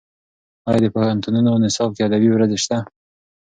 ایا د پوهنتونونو نصاب کې ادبي ورځې شته؟